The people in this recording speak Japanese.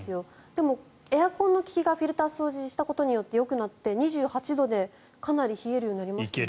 でも、エアコンの利きがフィルターを掃除したことによってよくなって２８度でかなり冷えるようになりましたね。